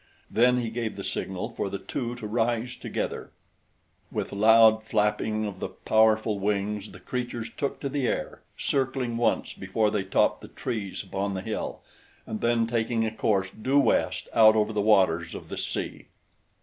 Then he gave the signal for the two to rise together. With loud flapping of the powerful wings the creatures took to the air, circling once before they topped the trees upon the hill and then taking a course due west out over the waters of the sea.